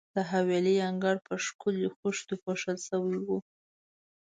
د حویلۍ انګړ په ښکلو خښتو پوښل شوی وو.